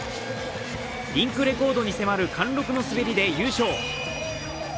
リンクレコードに迫る貫禄の滑りで優勝。